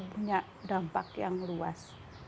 punya dampak yang luas